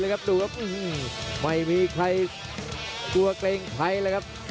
ดูครับไม่มีใครกลัวเกรงใคร